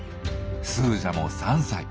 スージャも３歳。